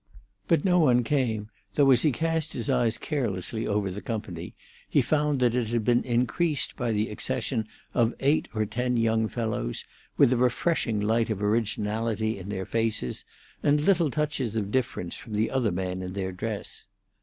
But no one came, though, as he cast his eyes carelessly over the company, he found that it had been increased by the accession of eight or ten young fellows, with a refreshing light of originality in their faces, and little touches of difference from the other men in their dress.